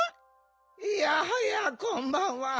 いやはやこんばんは。